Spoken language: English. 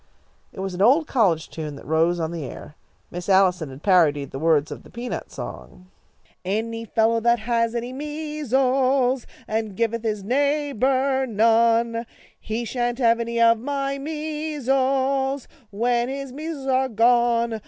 It was an old college tune that rose on the air. Miss Allison had parodied the words of the peanut song: Any fellow that has any mea sles And giveth his neighbour none, He sha'n't have any of my measles When his mea sles are gone.